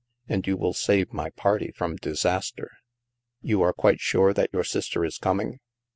And you will save my party from disaster." " You are quite sure that your sister is coming?